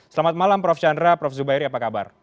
selamat malam prof chandra prof zubairi apa kabar